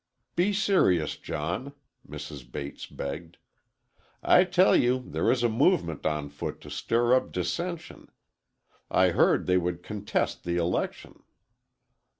"Be serious, John," Mrs. Bates begged. "I tell you there is a movement on foot to stir up dissension. I heard they would contest the election."